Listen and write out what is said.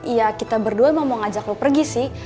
iya kita berdua mau ngajak lo pergi sih